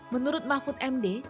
menurut mahfud md